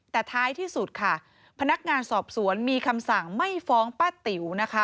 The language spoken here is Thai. แต่ท้ายที่สุดค่ะพนักงานสอบสวนมีคำสั่งไม่ฟ้องป้าติ๋วนะคะ